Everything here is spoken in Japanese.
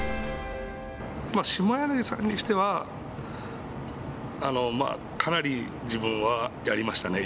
下柳さんにしてはかなり自分はやりましたね。